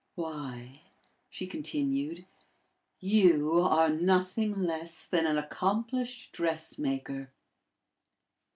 "Why," she continued, "you are nothing less than an accomplished dressmaker!"